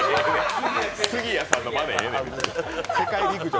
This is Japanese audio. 杉谷さんのまねええねん。